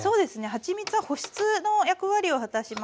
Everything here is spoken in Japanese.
はちみつは保湿の役割を果たします。